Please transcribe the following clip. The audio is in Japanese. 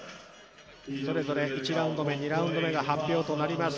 それぞれ１ラウンド目、２ラウンド目が発表となります。